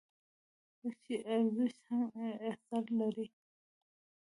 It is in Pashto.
لکه چې زړښت هم اثر لري.